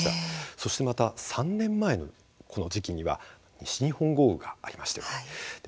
そしてまた３年前のこの時期には西日本豪雨がありましたね。